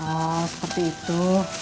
oh seperti itu